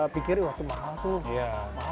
pikir wah tuh mahal tuh